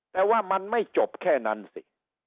แต่ว่ามันไม่จบแค่นั้นสิ